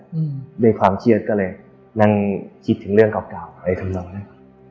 ด้วยความเชื่อดก็เลยนั่งคิดถึงเรื่องเก่าในทุ่มเรานะครับ